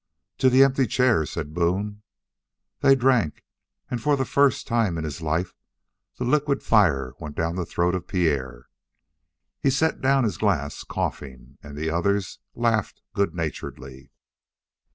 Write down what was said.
"To the empty chair," said Boone. They drank, and for the first time in his life, the liquid fire went down the throat of Pierre. He set down his glass, coughing, and the others laughed good naturedly.